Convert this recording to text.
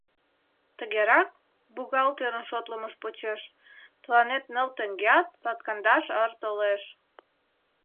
— Тыгерак, бухгалтерын шотлымыж почеш, тыланет ныл теҥгеат, латкандаш ыр толеш.